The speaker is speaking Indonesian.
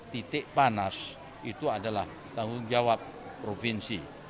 titik panas itu adalah tanggung jawab provinsi